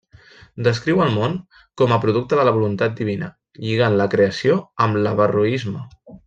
Descriu el món com a producte de la voluntat divina, lligant la Creació amb l'averroisme.